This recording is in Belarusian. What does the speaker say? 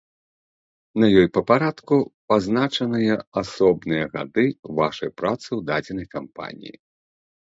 На ёй па парадку пазначаныя асобныя гады вашай працы ў дадзенай кампаніі.